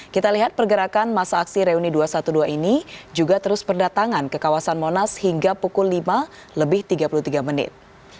kita lihat pergerakan masa aksi reuni dua ratus dua belas ini juga terus berdatangan ke kawasan monas hingga pukul lima lebih tiga puluh tiga menit